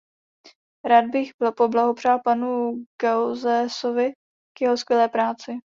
Rád bych poblahopřál panu Gauzèsovi k jeho skvělé práci.